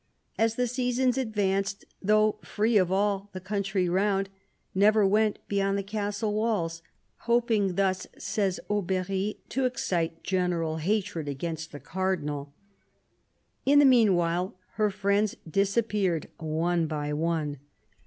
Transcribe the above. As the season advanced, though free of all the country round, she never went beyond the castle walls, hoping thus, says Aubery, to excite general hatred against the Cardinal. In the meanwhile her friends disappeared one by one.